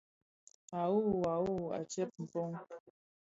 A wuwu, a wuwu, à tsem pong.